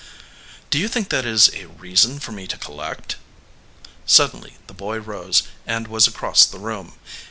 "Do you think that is a reason for me to col lect?" Suddenly the boy rose and was across the room.